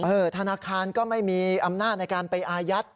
ธนาคารก็ไม่มีอำนาจในการไปอายัด